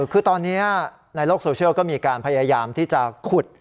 คือตอนนี้ในโลกโซเชียลก็มีการพยายามที่จะขุด